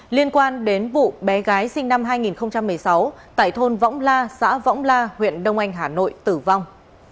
liên quan đến vụ bé gái sinh năm hai nghìn một mươi sáu tại thôn võng la xã võng la huyện đông anh hà nội tử vong